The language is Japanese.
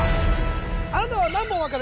あなたは何問わかる？